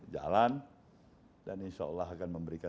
jalan dan insya allah akan memberikan